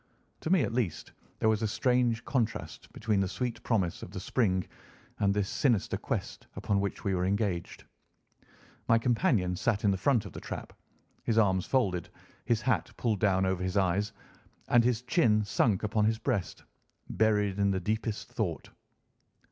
To me at least there was a strange contrast between the sweet promise of the spring and this sinister quest upon which we were engaged. My companion sat in the front of the trap, his arms folded, his hat pulled down over his eyes, and his chin sunk upon his breast, buried in the deepest thought.